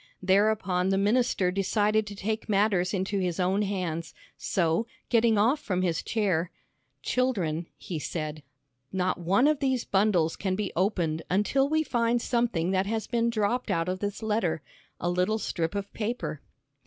Thereupon the minister decided to take matters into his own hands. So getting off from his chair, "Children," he said, "not one of these bundles can be opened until we find something that has been dropped out of this letter. A little strip of paper."